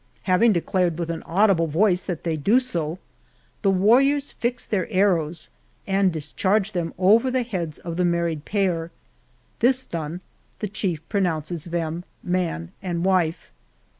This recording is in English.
Having declared with an audible voice that they do so, the warriors fix their arrows, and discharge them over the heads of the married pair; this done, the chief pronounces them man and wife.